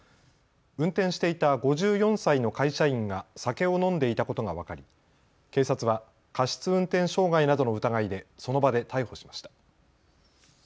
運転していた５４歳の会社員が酒を飲んでいたことが分かり警察は過失運転傷害などの疑いでその場で逮捕しました。